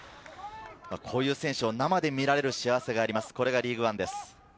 こういう選手を生で見られる幸せがあります、リーグワンです。